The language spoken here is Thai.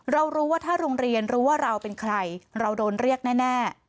เรารู้ว่าถ้าโรงเรียนรู้ว่าเราเป็นใครเราโดนเรียกแน่